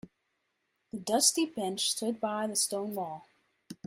The dusty bench stood by the stone wall.